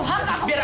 mau jadi anak